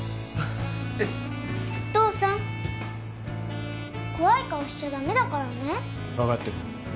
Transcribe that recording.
よしお父さん怖い顔しちゃダメだからね分かってるよ